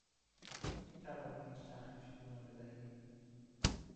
می توانید هیچ تخفیفی به من بدهید؟